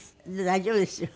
大丈夫ですよ。